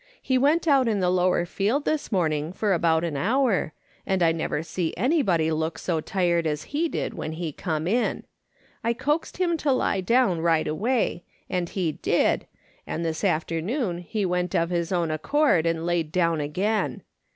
He went out in the lower field this morn ing for about an hour, and I never see anybody look so tired as he did when he come in. I coaxed him to lie down right away, and he did, and this after noon he went of his own accord and laid down again.